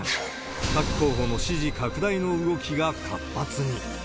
各候補の支持拡大の動きが活発に。